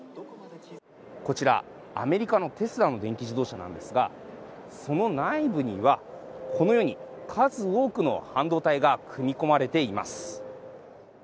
こちら、アメリカのテスラの電気自動車なんですが、その内部には、このように数多くの半導体が組み込まれています。